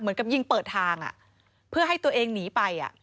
เหมือนกับยิงเปิดทางเพื่อให้ตัวเองหนีไป